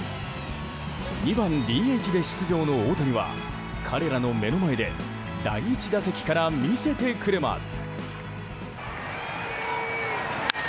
２番ＤＨで出場の大谷は彼らの目の前で第１打席から見せてくれます。